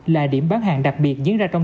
là điểm bán hàng đặc biệt diễn ra trong